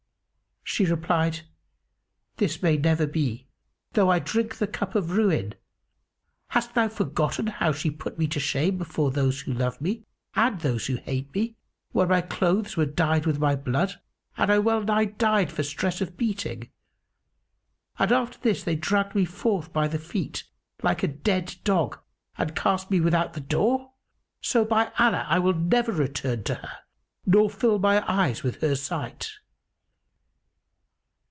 She replied, "This may never be, though I drink the cup of ruin! Hast thou forgotten how she put me to shame before those who love me and those who hate me, when my clothes were dyed with my blood and I well nigh died for stress of beating, and after this they dragged me forth by the feet, like a dead dog, and cast me without the door? So by Allah, I will never return to her nor fill my eyes with her sight!"